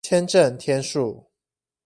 簽證天數